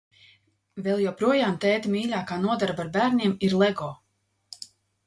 Vēl joprojām tēta mīļākā nodarbe ar bērniem ir lego.